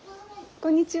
こんにちは。